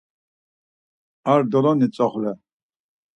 Ar doloni tzoxle.